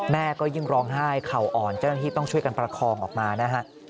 แม่ก็ยิ่งร้องไห้เข่าอ่อนเจ้าหน้าที่ต้องช่วยกันประคองออกมานะฮะ